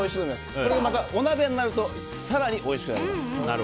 これでまたお鍋になると更においしくなります。